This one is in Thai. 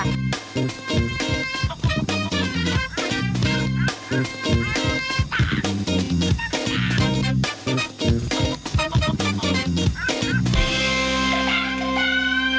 สบกว่าใคร